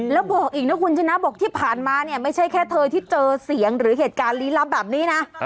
แล้วบอกอีกนะคุณชนะบอกที่ผ่านมาเนี่ยไม่ใช่แค่เธอที่เจอเสียงหรือเหตุการณ์ลี้ลับแบบนี้นะ